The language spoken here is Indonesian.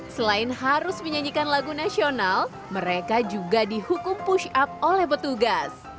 selain harus menyanyikan lagu nasional mereka juga dihukum push up oleh petugas